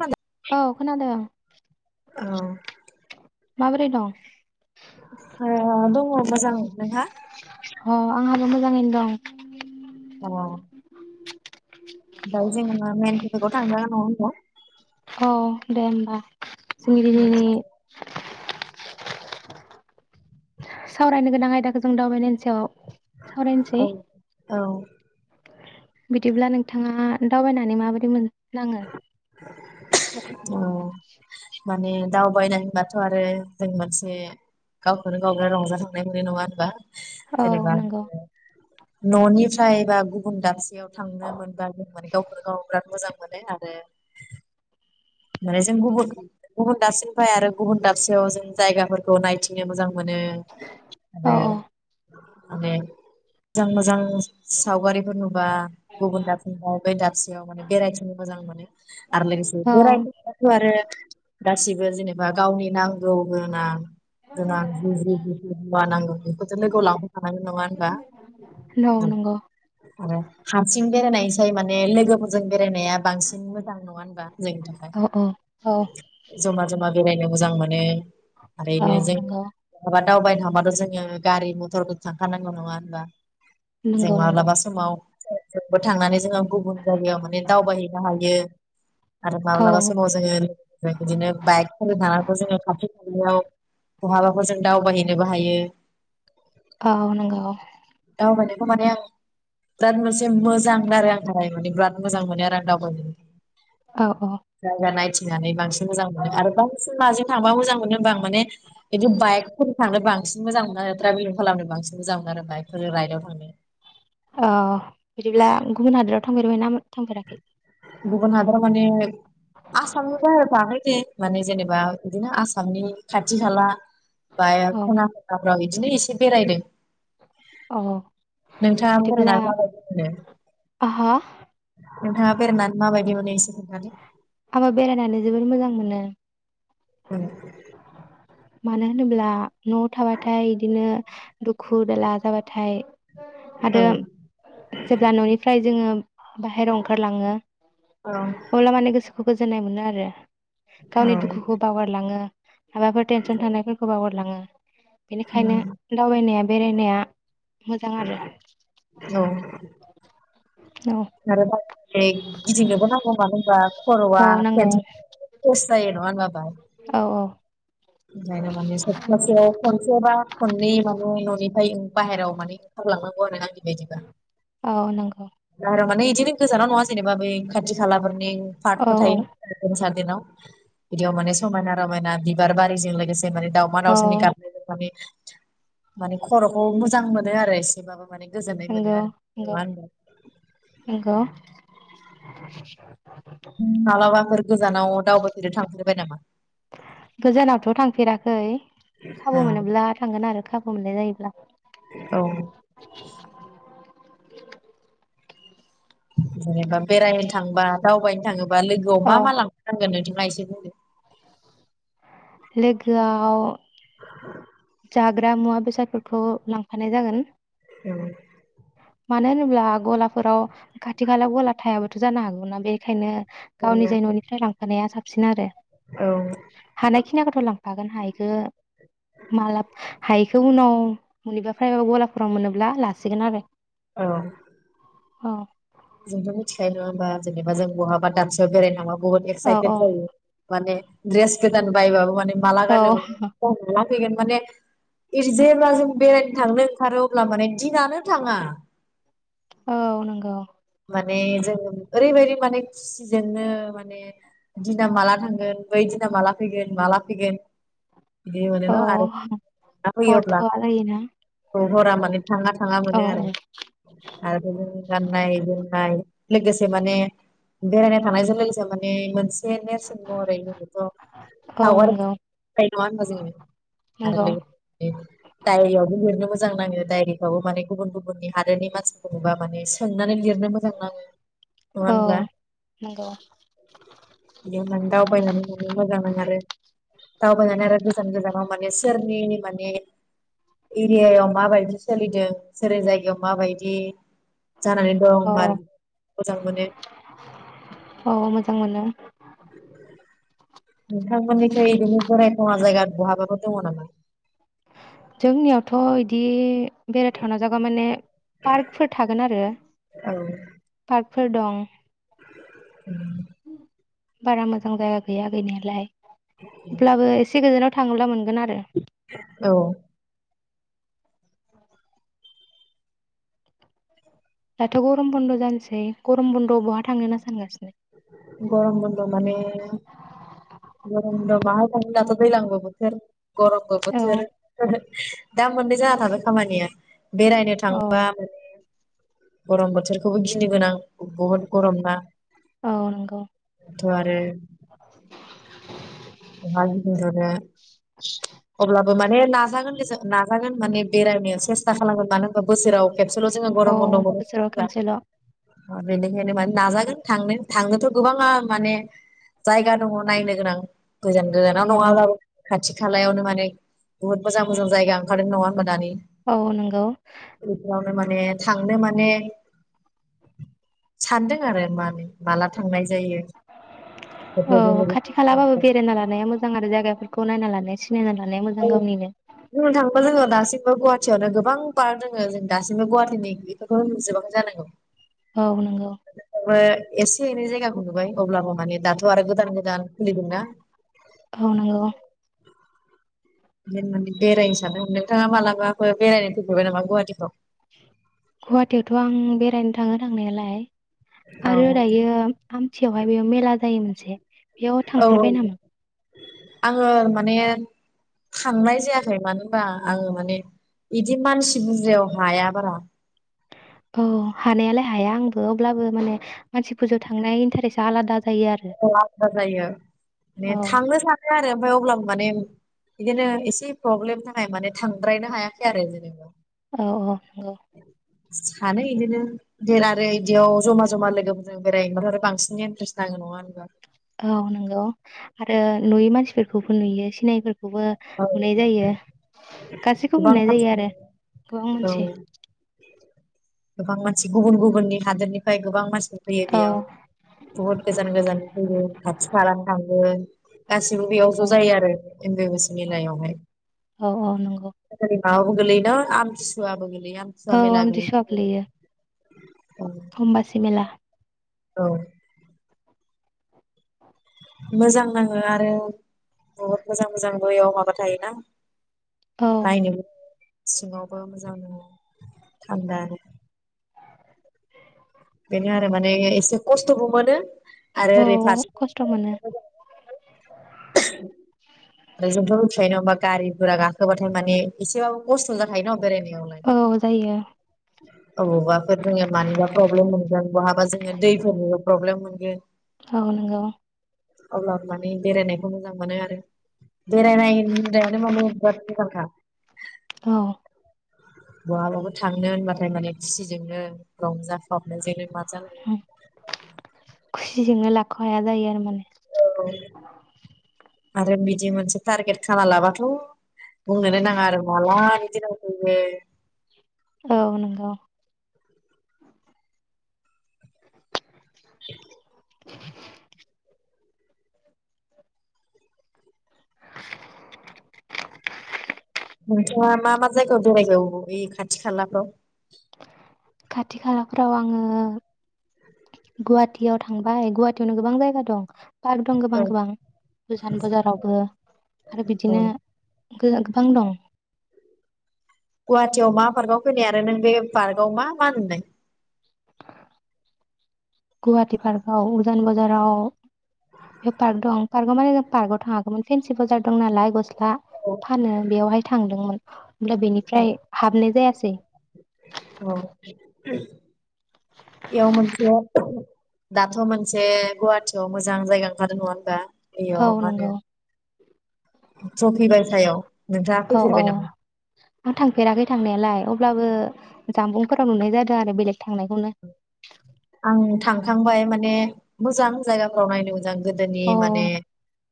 औ औ खोनादों माबोरै दं ओ दङ मोजां नोंहा? अ आंहाबो मोजाङैनो दं। अ ओमफ्राय जोङो मेन तफिकाव थांदिनि नङा होनबा औ दे होनबा [unintelligible] सावरायनो गोनां आयदाखौ जों दावबायनायनि सायाव सावरायनोसै औ औ बिदिब्ला नोंथाङा दावबायनानै माबादि मोनो? नाङो [inaudible] औ। माने दावबायनाय होनबाथ' आरो जों मोनसे गावखौनो गावनो रंजाखांनाय मोननाय नङा होनबा औ जेनेबा नंगौ न'निफ्राय बा गुबुन दाबसेयाव थांनो मोनबा जों माने गावखौनो गाव बिराद मोजां मोनो आरो माने जों गुबुन गुबुन दाबसेनिफ्राय आरो गुबुन दाबसेयाव जों जायगाफोरखौ नायथिंनो मोजां मोनो औ आरो औ माने मोजां मोजां सावगारिफोर नु बा गुबुन दाबसेआव बे दाबसेयाव माने बेरायथिंनो मोजां मोनो आरो लोगोसे औ [unintelligible] गासिबो जेनेबा गावनि नांगौ गोनां गोनां जि जि मुवा नांगौ बेखौथ' लोगोआव लांबाय थानायानाय नङा होनबा औ नंगौ आरो हारसिं बेरायनाय माने लोगोफोरजों बेरायनाया बांसिन मोजां नङा होनबा। औ औ औ जमा जमा बेराय नो मोजां मोनो। औ थारैनो नंगौ [unintelligible] दावबायनो थांबाथ जोङो गारि मथर थांखानांगौ नङा होनबा जों नंगौ नंगौ माब्लाबा समाव ट्रेनजोंबो थांनानै जोङो गुबुन जायगायाव माने दावबायहैनो हायो औ माब्लाबा समाव जोङो बिदिनो बाइक फोर थांना जोङो [unintelligible] बहाबाफोर जों दावबायहैनोबो हायो औ नंगौ दावबायनायखौ माने आं बिराद मोजा मोजां आरो आंनि थाखाय माने बिराद मोजां मोनो आरो आं दावबायनो औ औ जायगा नायथिंनानै बांसिन मोजां मोनो आरो बांसिन माजों थांबा मोजां मोनो होमबा आं माने बिदि बायेकफोरजों थांनोबा सिन मोजां मोनो आरो ट्राभेलिं खालामनो बांसिन मोजां मोनो आरो बाइकफोर राइदाव थांनो औ बिदिब्ला गुबुन हादर थांफेरबाय ना थांफेराखै गुबुन हादराव माने आसामनि बाहेराव थाङाखै दे माने जेनेबा बिदिनो आसामनि खाथि खाला बाया औ खना खनलाफ्राव इदि बिदिनो एसे बेरायदों औ नोंथाङा बिदिब्ला बेरनानै माबादि मोनो आहा नोंथाङा बेरायना माबायदि मोनो इसे खोनथादो आंङो बेरायनानै जोबोर मोजां मोनो ओं मानो होनोब्ला नआव थाबाथाय इदिनो दुखु दाला जाबाथाय औ आरो जेब्ला ननिफ्राय जोङो बाहेरायाव ओंखारला औ जोनाय मोनो आरो गावनि दुखुखौ बावगारलाङो आरो टेनसन थानायफोरखौ बागारलाङो बेनिखायनो दावबायनाया बेरायनाया मोजां आरो औ औ आरो बाय जहै गिदिंनोबो नांगौ मानो होनबा खरआ औ [unintelligible] नांगौ जायो [unintelligible] औ औ ओंखायनो माने सप्तासेयाव खनसे बा खननै माने न'निफ्राय बाहेरायाव माने ओंखारलांनां [unintelligible] औ नंगौ बारा माने बिदिनो गोजानाव नङा जेनेबा बै खाथि खालाफोर माने औ फार्कफोर औ थायो ना [unintelligible] बेनाव बिदियाव माने समायना रमायना बिबार बारिजों लोगोसे से माने दावमा औ दावसानि गाबनायजों माने माने खरखौ मोजां मोनो आरो एसे बाबो माने गोजोननाय मोनो नंगौ आरो नंगौ नंङा होनबा नंगौ होनबा मालाबाफोर गोजानाव दावबायफेरनो थांफेरबाय नामा? गोजानावथ' थांफेराखै खाबु मोनोब्ला औ थांगोन आरो खाबु मोननाय जायोब्ला [inaudible] औ जेनेबा बेरायनो थांबा दावबायनो थाङो लोगोआव औ मा मा लांफानांगोन नों थांङा एसे बुंदों। लोगोआव जाग्रा मुवा बेसादफोरखौ लांफानाय जागोन उम मानो होनोब्ला गलाफोराव खाथि खालायाव गला थायाबाथ' जानो हागौ ना बेखायनो गाव निजायै औ न'निफ्राय लां नाया साबसिन आरो औ हानायखिनाखौथ' लां हागोन हायिखो मालाब हायैखौ उनाव मनिबा फ्राइबा गलाफोराव मोनोब्ला लासिगोन आरो औ औ जोंथ' मिथिखायो नङा होमबा जेनेबा जों बहाबा दानसेयाव बेरायनो थांबा बहुत औ औ एक्साइटेड जायो माने ड्रेस गोदान बायबाबो माने माला गाननो मोनो औ जायो आरोना फैगोन माने जेब्ला जों बेरायनो थांनो ओंखारो अब्ला माने दिनानो थाङा औ नंगौ माने जों ओरैबायदि माने खुसिजोंनो माने दिना माला थांगोन बै दि माला फैगोन माला फैगोन बिदि मोनो औ न' आरो होयोब्ला हरथ'वा जायोना [inaudible] हरा माने थाङा थाङा औ मोनो आरो आरो बिदि गाननाय जोम लोगोसे माने बेरायनो थांनाय जों लोगोसे माने मो नसे नेरसोन महरै लोगोथ' औ पावार नंगौ नङा होनबा जोङो नंगौ आरो दायरियावबो लिरनो मोजां नाङो डायरिखौबो माने [inaudible] गुबुन गुबुननि हादोरनि मानसिफोरखौबा माने सोंनानै लिर बिनो मोजां नाङो नङा औ होनब्ला नंगौ बिदि होननानै दावबायनानै मोजां आरो दावबायनानै आरो गोजान गोजानाव माने सोरनि माने एरियायाव माबायदि सोलिदों जेरै जायगायाव माबायदि जानानै दं औ औ [inaudible] मोजां मोनो नुनो मोनो। [unintelligible] नोंथांमोननिखै बिदि बेरायथावना जायगा बहाबाफोर दङ नामा? जोंनियावथ' इदि बेराय थावना जागा माने पार्कफोर थागोन आरो औ फोर दं बारा मोजां जायगा गैया गैनायालाय अब्लाबो एसे गोजानाव थांला मोन औ दाथ' गरम बन्द' जानोसै गरम बन्द'आव बहा थांनो होनना सानगासिनो गरम बन्द माने गरम बन्द मा होनना [inaudible] थानो दाथ' दैज्लांबो बोथोर गरमबो औ बोथोर दा मोननै जाना थाबाय खामानिया बेरायनो औ थांबा माने गरम बोथोरखौबो गिनो गोनां बुहुत गरम ना औ नंगौ थ' आरो बहा गिदिंनो थांनो अब्लाबो माने नाजागोन दे जों नाजागोन। माने बेरायनो सेसता खालामगोन माने बोसोराव खेबसेल' जोङो औ गरमबन्द मोनो नङा बोसोराव होनबा खनसेल' बेनिखायनो माने नाजागोन थांनो थांनोथ' गोबाङा माने जायगा दङ नायनो गोनां। गोजान गोजानाव औ नङाब्लाबो खाथि खालायावनो माने बचहुत मोजां मोजां जायगा ओंखारदों नङा दानि औ नंगौ। बेफोरावनो माने थांनो माने सान्दों आरो मानो मालाथो थांनाय जायो बेफोरजों लोगोसे समखौ नाया मोजां आरो जायगा नायना लानाया सिनायना लानाया मोजां गावनिनो। सिमबो गुवाहाटियावनो गोबां पार्क दोङो जों दासिमबो गुवाहाटिनि बेफोरखौनो नुजोबाखै जानांगौ। औ नोंगौ। ओ एसे एनै जायगाखौ नुबाय अब्लाबो माने दाथ' आरो गोदान गोदान खुलिदोंना। औ नंगौ [unintelligible] बेरायनो सान्दों। नोंथाङा मालाबाफोर बेरायनो फैफेरबाय नामा गुवाहाटिफ्राव? गुवाहाटियावथ' आं बेरायनो थाङो थांनायालाय। औ आरो दायो आमथियावहाय बेयाव मेला जायो मोनसे। बेयाव औ औ थांफेरबाय नामा? आङो माने थांनाय जायाखै मानो बा आङो माने इदि मानसि बुरजायाव हाया बारा। औ हानायालाय हाया आंबो अब्लाबो माने मानसि बुरजायाव थांनाय इन्टारेस्टा आलादा जायो आरो औ आलादा जायो ने औ थांनो सानो आरो ओमफ्राय अब्लाबो माने बिदिनो एसे प्रब्लेमनि थाखाय माने थांद्रायनो हायाखै आरो जेनेबा। अ अ। औ। सानो इदिनो देर आरो इदियाव जमा जमा लोगोफोरजों बेरायबा आरो बांसिन इनटारेस्ट नाङो नङा होनबा। औ नोंगौ आरो नुयै मानसिफोर खौबो नुयो सिनायैफोर खौबो औ नुनाय जायो। गासैखौबो गोबां नुनाय जायो मानसि आरो गोबां मानसि। औ गोबां मानसि गुबुन गुबुननि हादोरनि ओमफ्राय गोबां मानसि फैयो औ बेयाव बुहुत गोजान गोजाननि फैयो खाथि खालानि थागोन। गासिबो बेयाव ज' नंगौ जायो आरो एम्बेबासि मेलायावहाय औ औ नंगौ [unintelligible] माबाबो गोलैयो न आमथिसुवाबो गोलै यो आमथिसुवा औ मेला गोलैयो। [unintelligible] अमबासि मेला औ मोजां नाङो आरो बहुत मोजां मोजांबो बेयाव माबा थायोना औ नायनो [unintelligible] सिङावबो मोजां नाङो थान्दानो। बेनो माने एसे खस्थ'बो मोनो आरो ओरै औ खस्थ' मोनो ओमफ्राय जोंथ' मिथिखायो नङा होमबा गारि गुरा गाखोबाथाय माने एसेबाबो खस्थ' जाखायो न बेरायनो औ जायो [unintelligible] अबावबाफोर जोङो मानिबा प्रब्लेम मोनगोन बहाबा जोङो दैफोर प्रब्लेम मोनगोन औ नंगौ अब्ला माने बेरायनाय मोजां मोनो आरो बेरायनाय [unintelligible] बिराद मोजांखा। औ बहाबाबो थांनो होनबाथाय माने खुसिजोंनो रंजा [unintelligible] बिजोंनो लाख' हाया जायो आरो माने। [unintelligible] आरो बिदि मोनसे टारगेट खाना लाबाथ' बुंनो नो नाङा आरो माला बि दिना मोनफैगोन औ नंगौ [unintelligible] [unintelligible] नोंथाङा मा मा जायगायाव बेरायगौ ओइ खाथि खालाफ्राव? खाथि खालाफ्राव आङो [unintelligible] गुवाहाटियाव थांबाय। गुवाहाटियावनो गोबां जायगा दं। पार्क दं गोबां औ गोबां उजान बाजारावबो आरो औ बिदिनो [unintelligible] गुवाहाटियाव मा पार्कआव फैनाय आरो नों बे पार्कआव मा मा नुनाय? गुवाहाटि पार्काव उजान बाजाराव बेयाव पार्क दं पार्काव माने जों पार्काव थाङाखैमोन फेनसि बाजार दं नालाय गस्ला दा औ फानो बेयावहाय थांदोंमोन। अब्ला बेनिफ्राय हाबनाय जाया सै औ बेयाव मोनसे दाथ' मोनसे गुवाहाटियाव मोजां जायगा ओंखारदों नङा होनबा। बेयाव औ माहोनो नंगौ ट्रफि बायसायाव नोंथाङा अ अ फैफेरबाय नामा? आं थांफेराखै थांनायालाय अ अब्लाबो जानबुंफोराव नुनाय जादों आरो बेलेग थांनायखौनो। आं थांखांबाय माने मोजां जायगाफ्राव नायनो मोजां गोदोनि अ माने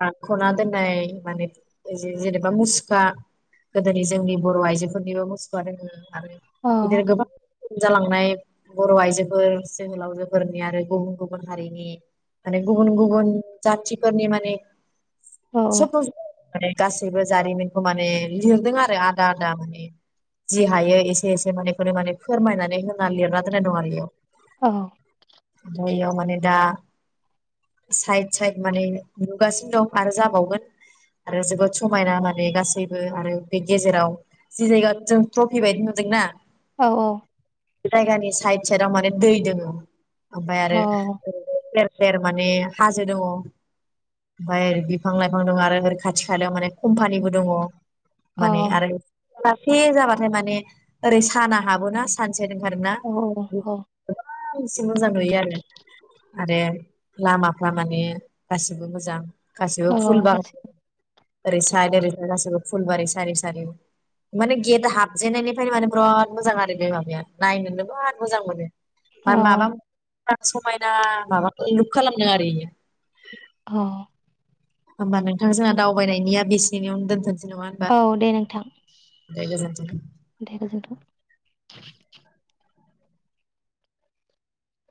दानख'ना दोननाय माने जे-जेनेबा मुसुखा गोदोनि जोंनि बर' आइजोफोरनिबो मुसुखा दोङो। आरो औ बिदि गोबां जालांनाय बर' आइजोफोर जोहोलावजोफोरनि आरो गुबुन गुबुन हारिनि माने गुबुन गुबुन जाथिफोरनि माने [unintelligible] गासैबो जारिमिन खौ माने लिरदों आरो आ दादा माने जि हायो एसे एसे मानेखौनो माने फोरमायनानै होना लिरना दोन्नाय दं आरो बेयाव। औ जायआव माने दा साइद साइद माने नुगासिनो दं आरो जाबावगोन आरो जोबोद समायना माने गासैबो आरो बे गेजेराव जि जायगा जों ट्रफि बायदि नुदोंना औ औ। जायगानि साइद साइदाव माने दै दोङो। [inaudible] ओमफाय औ आरो बेर माने हाजो दङ ओमफाय बिफां लाइफां दङ आरो ओरै खाथि खालायाव माने कम्पानिबो दङ। औ माने आरो बेलासे जाबाथाय माने ओरै साना हाबोना सानसे [unintelligible] [unintelligible] औ औ मोजां नुयो आरो आरो लामाफ्रा माने गासिबो मोजां। गासिबो औ फुल बाग गासै ओरै साइद ओरै गासिबो फुलबारि सारि सारि माने गेट हाबजेननायनिफ्रायनो माने बिराद मोजां आरो बे माबाया नायनोनो बिराद मोजां मोनो। मा औ माबाम समायना माबा लुुक खालामदों आरो इयो। अ। होमबा नोंथां जोङा दावबायनायनिया बेसेनियावनो दोनथ'नोसै नङा होनबा औ दे नोंथां, दे गोजोनथों दे गोजोनथों।